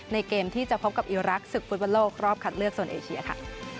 ในเกมที่จะพบกับอิลรักษณ์ศึกฝุ่นโลกรอบคัดเลือกส่วนเอเชียค่ะ